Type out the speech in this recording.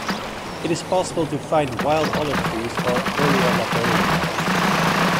It is possible to find wild olive trees, or "Olea lapperrini".